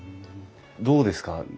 どうですか？